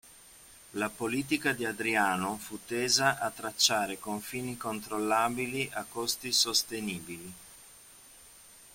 La politica di Adriano fu tesa a tracciare confini controllabili a costi sostenibili.